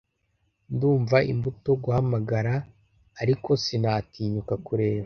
Ndumva imbutoguhamagara ariko sinatinyuka kureba